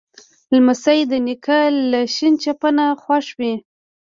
لمسی د نیکه له شین چپنه خوښ وي.